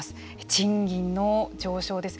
賃金の上昇です。